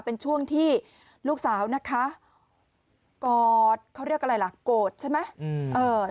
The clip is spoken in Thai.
เป็นช่วงที่ลูกสาวนะคะกอดเขาเรียกอะไรล่ะโกรธใช่ไหม